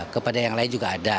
kepada yang lain juga ada